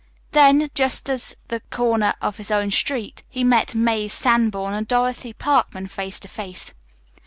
Then, just at the corner of his own street, he met Mazie Sanborn and Dorothy Parkman face to face.